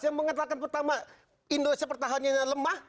saya mengatakan pertama indonesia pertahanannya lemah